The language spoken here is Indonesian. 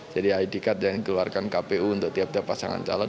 jadi id card yang dikeluarkan kpu untuk tiap tiap pasangan calon